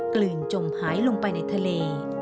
ลืนจมหายลงไปในทะเล